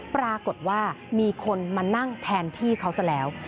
ปรากฏว่ามีคนมานั่งแทนที่เขาซะแล้ว